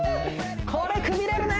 これくびれるね！